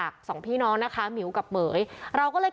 คุณพ่อคุณว่าไง